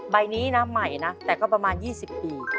ใบนี้นะใหม่นะแต่ก็ประมาณ๒๐ปี